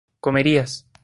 comerías